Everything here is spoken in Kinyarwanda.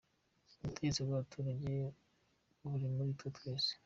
Ubutegetsi bw'abaturage buri muri twe twese.